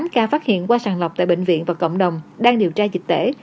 tám ca phát hiện qua sàng lọc tại bệnh viện và cộng đồng đang điều tra dịch tễ